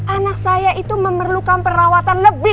anak saya itu memerlukan perawatan lebih